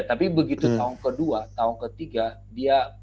tapi begitu tahun kedua tahun ketiga dia